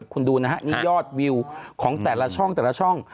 คุณดูนะฮะนี่ยอดวิวของแต่ละช่อง